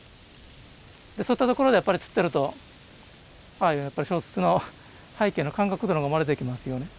そういった所でやっぱり釣ってると小説の背景の感覚というのが生まれてきますよね。